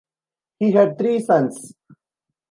He had three sons.